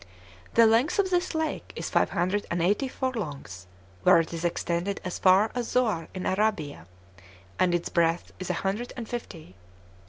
The length of this lake is five hundred and eighty furlongs, where it is extended as far as Zoar in Arabia; and its breadth is a hundred and fifty.